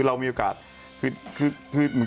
เรามีโอกาส